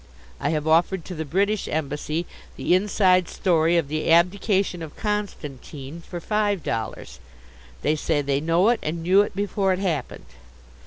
I have offered to the British Embassy the inside story of the Abdication of Constantine for five dollars. They say they know it, and knew it before it happened.